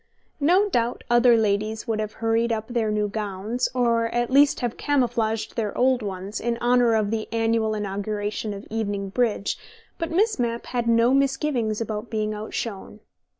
No doubt other ladies would have hurried up their new gowns, or at least have camouflaged their old ones, in honour of the annual inauguration of evening bridge, but Miss Mapp had no misgivings about being outshone.